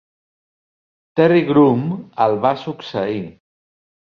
Terry Groom el va succeir.